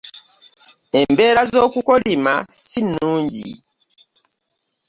embeera z'okukolima si nnungi.